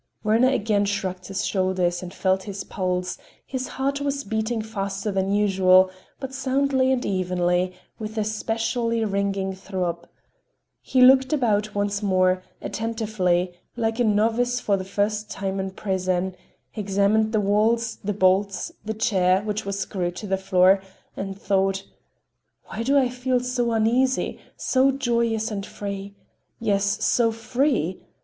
Werner again shrugged his shoulders and felt his pulse,—his heart was beating faster than usual, but soundly and evenly, with a specially ringing throb. He looked about once more, attentively, like a novice for the first time in prison,—examined the walls, the bolts, the chair which was screwed to the floor, and thought: "Why do I feel so easy, so joyous and free? Yes, so free?